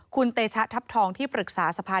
คุณเตชะทัพทองที่ปรึกษาสภา